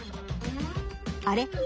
あれ？